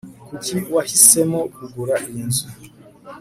kuki wahisemo kugura iyi nzu